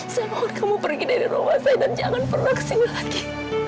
saya mohon kamu pergi dari rumah saya dan jangan pernah kesini lagi